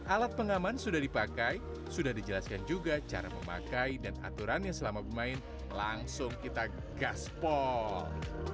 alat pengaman sudah dipakai sudah dijelaskan juga cara memakai dan aturannya selama bermain langsung kita gaspol